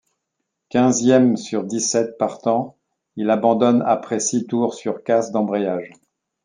Quinzième sur dix-sept partants, il abandonne après six tours sur casse d'embrayage.